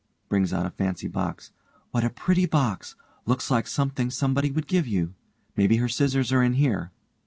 (brings out a fancy box) What a pretty box. Looks like something somebody would give you. Maybe her scissors are in here.